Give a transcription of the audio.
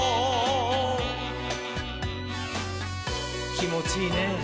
きもちいいねぇ。